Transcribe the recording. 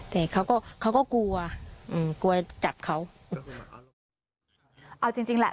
แต่เขาก็เขาก็กลัวอืมกลัวจับเขาเอาจริงจริงแหละ